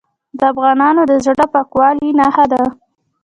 د افغانانو د زړه پاکوالي نښه ده.